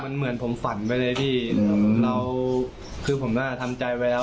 มันเหมือนผมฝันไปเลยพี่เราคือผมก็ทำใจไว้แล้ว